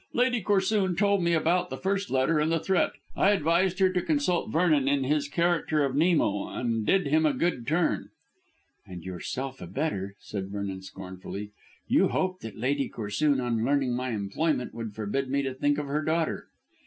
"Lady Corsoon told me about the first letter and the threat. I advised her to consult Vernon in his character of Nemo, and did him a good turn." "And yourself a better," said Vernon scornfully. "You hoped that Lady Corsoon on learning my employment would forbid me to think of her daughter."